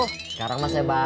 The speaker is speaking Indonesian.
sekarang masnya bayar dong